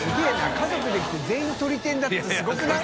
家族で来て全員とり天だってすごくない？